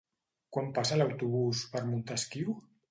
Quan passa l'autobús per Montesquiu?